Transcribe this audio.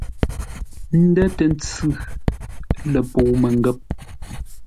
Ndə̂ tə́ ntsʉ ləpəu məngə̂p.